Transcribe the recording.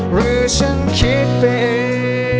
หรือฉันคิดไปเอง